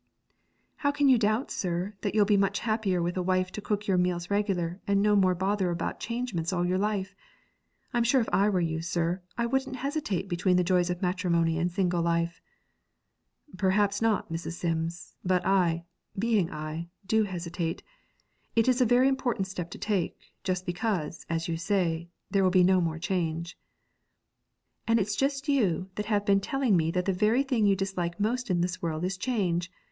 'How can you doubt, sir, that you'll be much happier with a wife to cook your meals regular, and no more bother about changements all your life? I'm sure if I were you, sir, I wouldn't hesitate between the joys of matrimony and single life.' 'Perhaps not, Mrs. Sims; but I, being I, do hesitate. It is a very important step to take, just because, as you say, there will be no more change.' 'And it's just you that have been telling me that the very thing you dislike most in this world is change.